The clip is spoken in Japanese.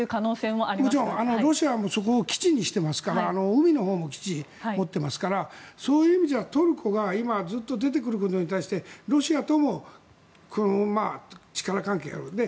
もちろんロシアはそこを基地にしていますから海のほうも基地を持っていますからそういう意味では、トルコがずっと出てくることに対してロシアとも力関係がある。